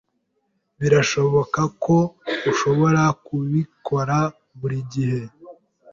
Birashoboka ko ushobora kubikora buri gihe.